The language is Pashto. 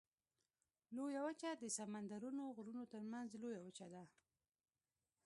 لویه وچه د سمندرونو غرونو ترمنځ لویه وچه ده.